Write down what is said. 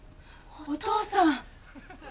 お父さん！